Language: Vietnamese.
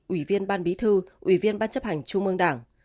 ủy viên ban bí thư ủy viên ban chấp hành trung ương đảng